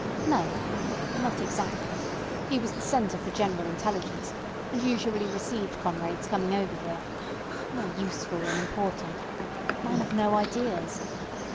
No, not exactly. He was the centre for general intelligence, and usually received comrades coming over here. More useful than important. Man of no ideas.